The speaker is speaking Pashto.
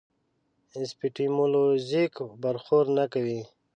اپیستیمولوژیک برخورد نه کوي.